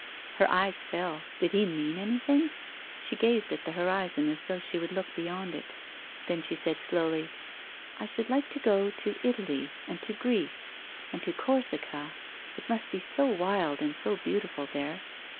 Her eyes fell ; did he mean anything 1 She gazed at the horizon as though she would look beyond it ; then she said slowly : "I should like to go to Italy — and to Greece — and to Corsica, it must be so wild and so beautiful there."